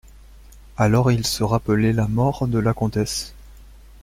Alors il se rappelait la mort de la comtesse.